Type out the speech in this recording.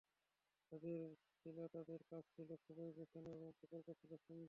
যাদের ছিল, তাদের কাজ ছিল খুবই গোছানো এবং প্রকল্পও ছিল সুন্দর।